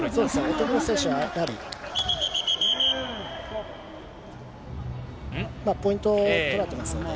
乙黒選手は、やはりポイント取られてますよね。